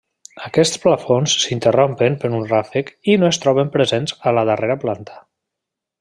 Aquests plafons s'interrompen per un ràfec i no es troben presents a la darrera planta.